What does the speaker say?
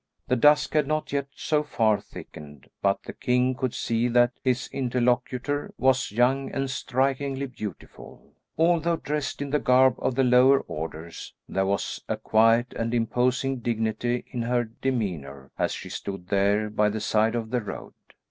The dusk had not yet so far thickened but the king could see that his interlocutor was young and strikingly beautiful. Although dressed in the garb of the lower orders, there was a quiet and imposing dignity in her demeanour as she stood there by the side of the road.